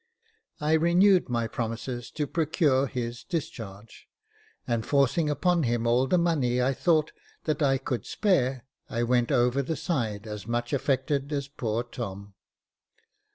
I renewed my promises to procure his discharge, and forcing upon him all the money I thought that I could spare, I went over the side as much affected as poor Tom.